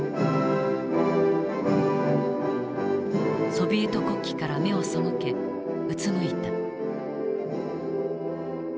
ソビエト国旗から目を背けうつむいた。